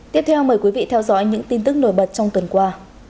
tiếp theo mời quý vị theo dõi những tin tức nổi bật trong tuần qua